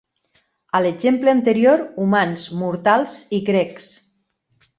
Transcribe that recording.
A l'exemple anterior, "humans", "mortals" i "grecs".